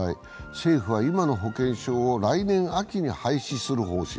政府は、今の保険証を来年秋に廃止する方針。